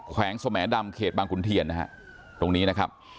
แขวงสแหมดำเขตบางขุนเทียนนะฮะตรงนี้นะครับ